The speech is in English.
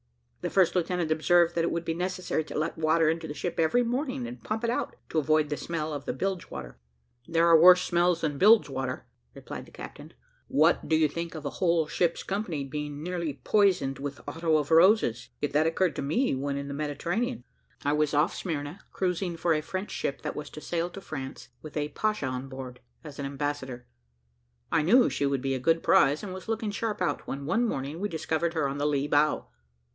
The first lieutenant observed that it would be necessary to let water into the ship every morning, and pump it out, to avoid the smell of the bilge water. "There are worse smells than bilge water," replied the captain. "What do you think of a whole ship's company being nearly poisoned with otto of roses? Yet that occurred to me when in the Mediterranean. I was off Smyrna, cruising for a French ship, that was to sail to France, with a pacha on board, as an ambassador. I knew she would be a good prize, and was looking sharp out, when one morning we discovered her on the lee bow.